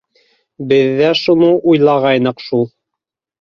— Беҙ ҙә шуны уйлағайныҡ шул.